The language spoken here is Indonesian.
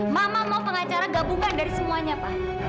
mama mau pengacara gabungan dari semuanya pak